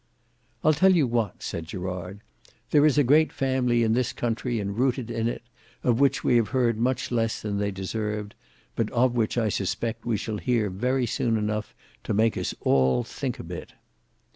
"I'll tell you what," said Gerard, "there is a great family in this country and rooted in it, of which we have heard much less than they deserved, but of which I suspect we shall hear very soon enough to make us all think a bit."